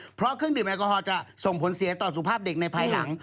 เพราะเครื่องดื่มแอลกอฮอลจะส่งผลเสียต่อสุภาพเด็กในภายหลัง